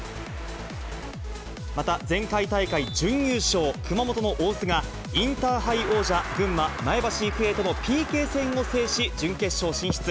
また、前回大会準優勝、熊本の大津が、前大会王者、群馬・前橋育英とのＰＫ戦を制し、準決勝進出。